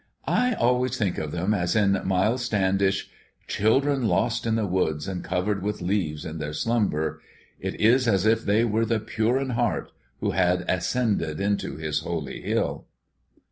"I always think of them as in 'Miles Standish': Children lost in the woods and covered with leaves in their slumber. It is as if they were the pure in heart, who had ascended into His holy hill."